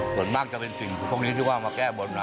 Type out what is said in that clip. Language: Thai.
ส่วนมากจะเป็นสิ่งพวกนี้ที่ว่ามาแก้บนนะ